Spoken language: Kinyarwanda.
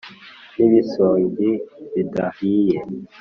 n' ibisogi bidahiye